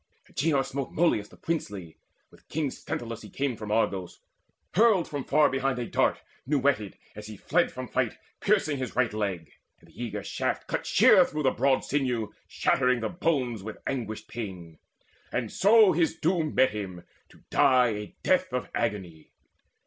Agenor smote Molus the princely, with king Sthenelus He came from Argos, hurled from far behind A dart new whetted, as he fled from fight, Piercing his right leg, and the eager shaft Cut sheer through the broad sinew, shattering The bones with anguished pain: and so his doom Met him, to die a death of agony.